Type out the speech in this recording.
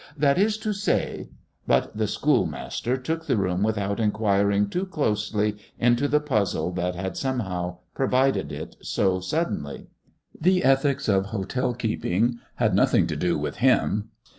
That is to say " But the schoolmaster took the room without inquiring too closely into the puzzle that had somehow provided it so suddenly. The ethics of hotel keeping had nothing to do with him.